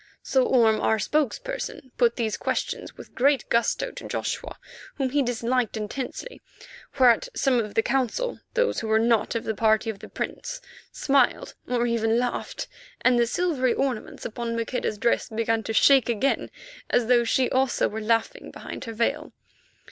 So Orme, as our spokesman, put these questions with great gusto to Joshua, whom he disliked intensely, whereat some of the Council, those who were not of the party of the Prince, smiled or even laughed, and the silvery ornaments upon Maqueda's dress began to shake again as though she also were laughing behind her veil.